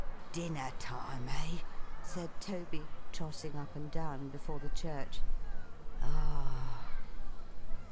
'Dinner time, eh!' said Toby, trotting up and down before the church. 'Ah!